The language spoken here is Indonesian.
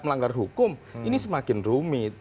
melanggar hukum ini semakin rumit